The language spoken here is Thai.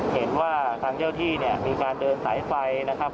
เห็นว่าทางเจ้าที่เนี่ยมีการเดินสายไฟนะครับ